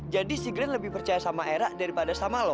jadi si glenn lebih percaya sama era daripada sama lo